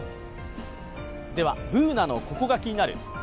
ではＢｏｏｎａの「ココがキニナル」